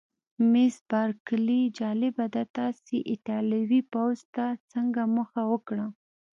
مس بارکلي: جالبه ده، تاسي ایټالوي پوځ ته څنګه مخه وکړه؟